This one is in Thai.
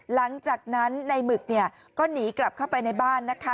หลังจากนั้นในหมึกเนี่ยก็หนีกลับเข้าไปในบ้านนะคะ